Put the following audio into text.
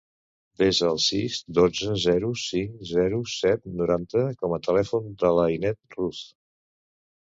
Desa el sis, dotze, zero, cinc, zero, set, noranta com a telèfon de l'Ainet Ruz.